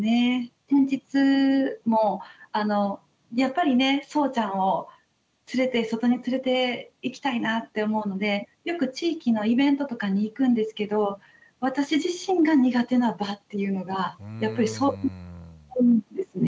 先日もやっぱりねそうちゃんを連れて外に連れていきたいなぁって思うのでよく地域のイベントとかに行くんですけど私自身が苦手な場っていうのがやっぱりそうあるんですね。